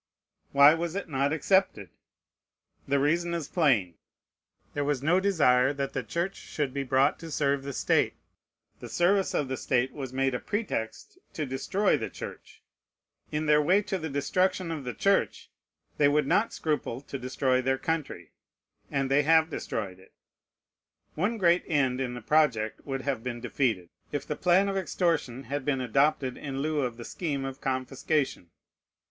Why was it not accepted? The reason is plain: There was no desire that the Church should be brought to serve the State. The service of the State was made a pretext to destroy the Church. In their way to the destruction of the Church they would not scruple to destroy their country: and they have destroyed it. One great end in the project would have been defeated, if the plan of extortion had been adopted in lieu of the scheme of confiscation.